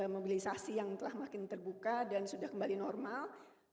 mobilisasi yang telah makin terbuka dan sudah kembali normal